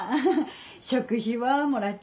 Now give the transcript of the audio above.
食費はもらっ